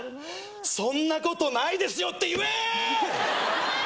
そんなことないですよって言え！